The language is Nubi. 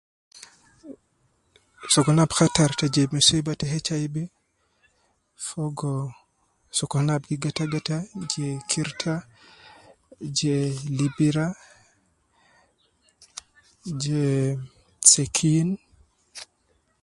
Sokolna ab khattar te jib muswiba te HIV fogo, sokolna ab gi gata gata je kirta, je libira, je sekin